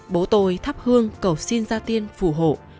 bố tôi thắp hương cầu xin gia tiên phù hộ